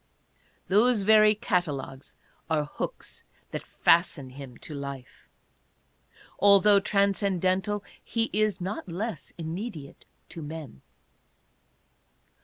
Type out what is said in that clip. Those very cat alogues are hooks that fasten him to life. Altogether trans cendental, he is not less immediate to men.